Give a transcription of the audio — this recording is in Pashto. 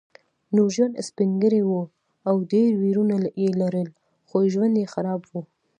نورجان سپین ږیری و او ډېر ورېرونه یې لرل خو ژوند یې خراب و